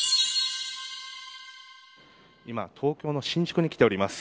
今、東京の新宿に来ております。